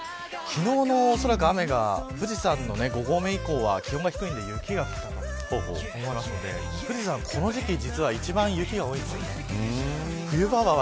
昨日のおそらく雨が富士山の５合目以降は気温が低いので雪が降ったと思いますので富士山、この時期実は一番雪が多いんです。